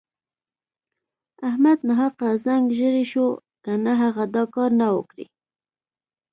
احمد ناحقه رنګ ژړی شو که نه هغه دا کار نه وو کړی.